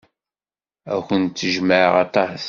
Ad kent-jjmeɣ aṭas.